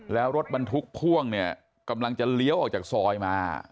แล้วรถบรรทุกพ่วงเนี่ยกำลังจะเลี้ยวออกจากซอยมา